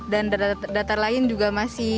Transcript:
dan data lain juga masih